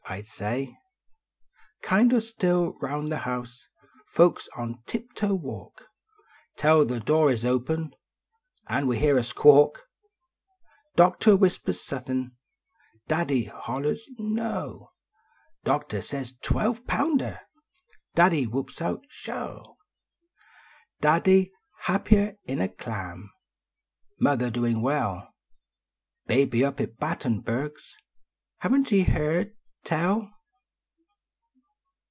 I sh d say ! Kind o still rouu the house, Folks on tip toe walk Tell the door is open An we hear a squawk ! Doctor whispers suthin . Daddy hollers: " No! " Doctor says " twelve pounder ! Daddy whoops out :" Sho !" Daddv happier" n a clam ! Mother doin well ; Haby up at Battenberg s, i laveii t ve been! tell